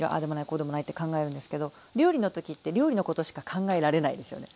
こうでもないって考えるんですけど料理の時って料理のことしか考えられないんですよね。